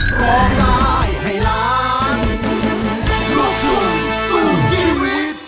สวัสดีครับ